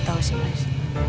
aku tau sih mas